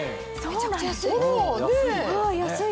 めちゃくちゃ安い！